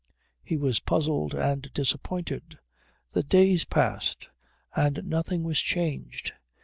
He was puzzled and disappointed. The days passed, and nothing was changed.